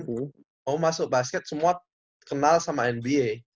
mau masuk basket semua kenal sama nba